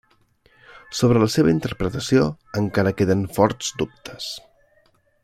Sobre la seva interpretació encara queden forts dubtes.